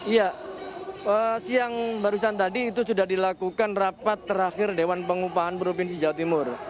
iya siang barusan tadi itu sudah dilakukan rapat terakhir dewan pengupahan provinsi jawa timur